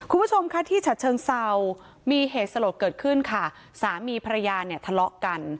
คุณผู้ชมค่ะที่ฉัดเชิงเศร้ามีเหตุสลดเกิดขึ้นค่ะสามีภรรยาเนี่ยทะเลาะกัน